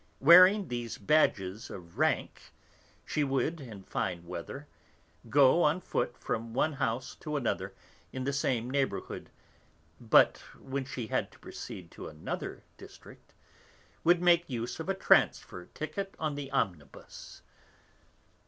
Wearing these badges of rank, she would, in fine weather, go on foot from one house to another in the same neighbourhood, but when she had to proceed to another district, would make use of a transfer ticket on the omnibus.